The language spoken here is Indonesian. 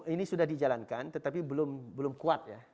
ini sudah dijalankan tetapi belum kuat ya